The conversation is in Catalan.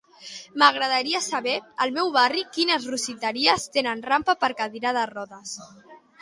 M'agradaria saber, al meu barri, quines rostisseries tenen rampa per cadira de rodes?